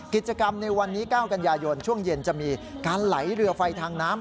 กิจกรรมในวันนี้๙กันยายนช่วงเย็นจะมีการไหลเรือไฟทางน้ำ